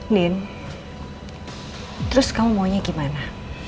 nin terus kamu maunya gimana